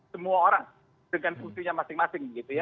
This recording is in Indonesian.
semua orang dengan fungsinya masing masing